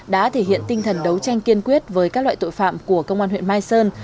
đã thể hiện tinh thần đấu tranh kiên quyết với các loại tội phạm của công an huyện mai sơn